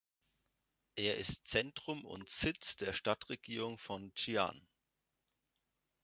Er ist Zentrum und Sitz der Stadtregierung von Ji'an.